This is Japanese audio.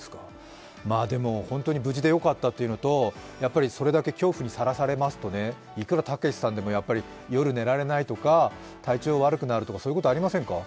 本当に無事でよかったというのと、それだけ恐怖にさらされますといくらたけしさんでもやっぱり夜寝られないとか体調が悪くなるとかそういうことありませんか？